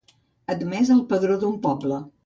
Admès al padró d'un poble.